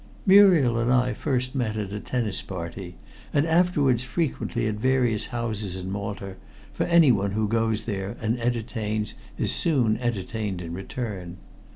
"Muriel and I met first at a tennis party, and afterwards frequently at various houses in Malta, for anyone who goes there and entertains is soon entertained in return.